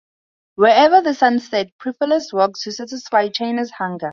Wherever the sun set, pilferers worked to satisfy China's hunger.